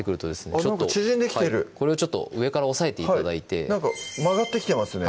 ちょっとあっなんか縮んできてるこれをちょっと上から押さえて頂いて曲がってきてますね